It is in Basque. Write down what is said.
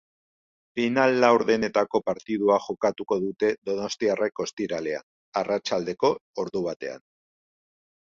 Final-laurdenetako partida jokatuko dute donostiarrek ostiralean, arratsaldeko ordubatean.